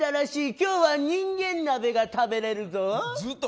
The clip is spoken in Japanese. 今日は人間鍋が食べれるぞ。